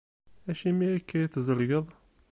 Acimi akka i tzelgeḍ?